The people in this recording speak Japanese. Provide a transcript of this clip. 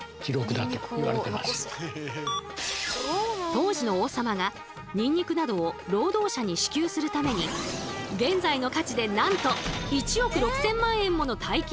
当時の王様がニンニクなどを労働者に支給するために現在の価値でなんと１億６千万円もの大金をつぎ込んだという話も。